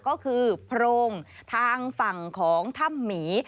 ก็คือโพรงทางฝั่งของถ้ำหมี